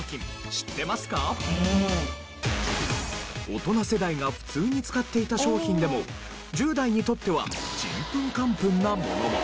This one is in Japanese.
大人世代が普通に使っていた商品でも１０代にとってはちんぷんかんぷんなものも。